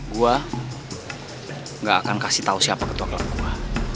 gue gak akan kasih tau siapa ketua kelab gue